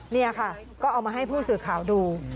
นี่ค่ะก็เอามาให้ผู้สื่อข่าวดู